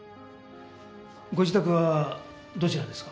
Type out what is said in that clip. ご自宅はどちらですか？